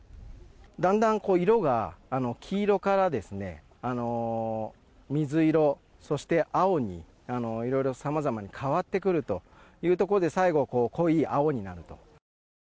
だんだん、色が黄色から水色そして青にいろいろ、さまざま変わってくるというところで最後、濃い青になると。